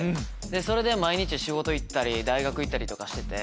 それで毎日仕事行ったり大学行ったりとかしてて。